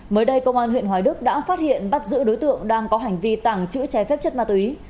mới đây công an huyện hoài đức đã phát hiện bắt giữ đối tượng đang có hành vi tàng trữ trái phép chất ma túy